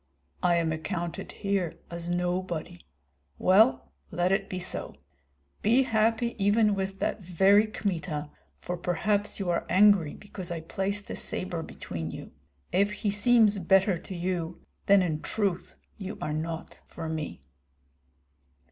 I am accounted here as nobody. Well, let it be so. Be happy even with that very Kmita, for perhaps you are angry because I placed a sabre between you. If he seems better to you, then in truth you are not for me."